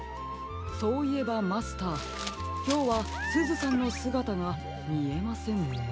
そういえばマスターきょうはすずさんのすがたがみえませんね。